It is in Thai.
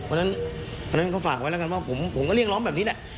เพราะฉะนั้นอันนั้นก็ฝากไว้แล้วกันว่าผมก็เรียกร้องแบบนี้แหละ